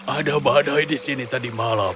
ada badai di sini tadi malam